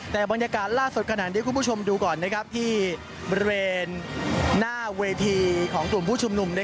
แต่บรรยากาศล่าสุดขนาดนี้คุณผู้ชมดูก่อนที่บริเวณหน้าเวทีของกลุ่มผู้ชุมนุม